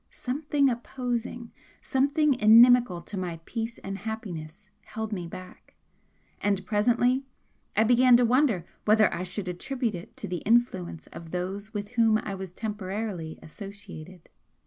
Something opposing, something inimical to my peace and happiness held me back and presently I began to wonder whether I should attribute it to the influence of those with whom I was temporarily associated.